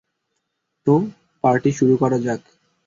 তো, পার্টি শুরু করা যাক।